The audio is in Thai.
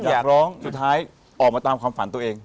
อยากร้องสุดท้ายออกมาตามความฝันตัวเอง